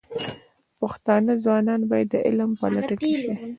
پښتانه ځوانان باید د علم په لټه کې شي.